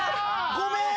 ごめん！